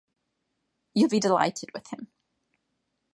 You’ll be delighted with him.